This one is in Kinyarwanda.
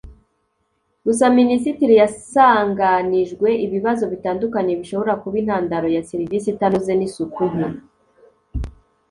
Gusa Minisitiri yasanganijwe ibibazo bitandukanye bishobora kuba intandaro ya serivisi itanoze n’isuku nke